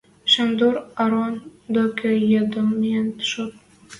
Шандор Арон докы йыдым миэн шот.